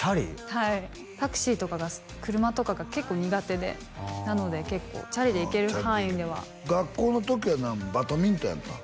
はいタクシーとかが車とかが結構苦手でなので結構チャリで行ける範囲では学校の時はバドミントンやったん？